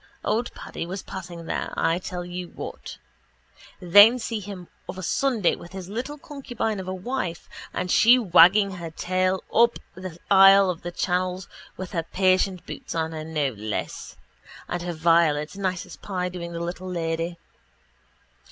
_ Only Paddy was passing there, I tell you what. Then see him of a Sunday with his little concubine of a wife, and she wagging her tail up the aisle of the chapel with her patent boots on her, no less, and her violets, nice as pie, doing the little lady.